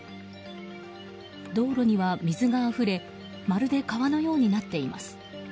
道路には水があふれまるで川のようになっています。